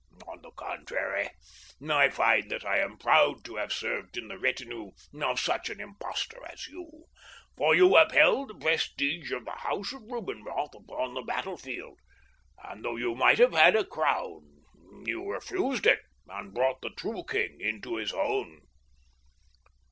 On the contrary, I find that I am proud to have served in the retinue of such an impostor as you, for you upheld the prestige of the house of Rubinroth upon the battlefield, and though you might have had a crown, you refused it and brought the true king into his own."